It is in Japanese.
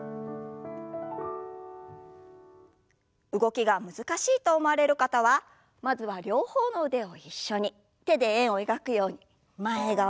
動きが難しいと思われる方はまずは両方の腕を一緒に手で円を描くように前側と後ろ側。